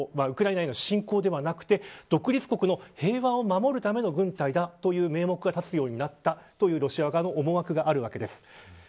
ウクライナへの侵攻ではなく独立国の平和を維持するための軍隊という名目が立つようになったというロシア側の思惑があるわけです。